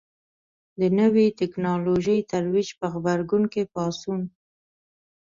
د نوې ټکنالوژۍ ترویج په غبرګون کې پاڅون.